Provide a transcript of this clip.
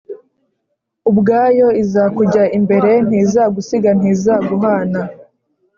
ubwayo izakujya imbere ntizagusiga ntizaguhana